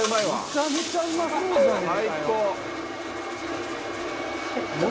「めちゃめちゃうまそうじゃねえかよ」